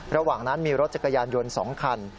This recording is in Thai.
ระหว่างนั้นมีรถจักรยานยนต์๒คัน